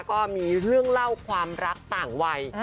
ก็มีเรื่องเล่าความรักต่างวัย